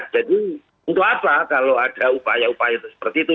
jadi untuk apa kalau ada upaya upaya seperti itu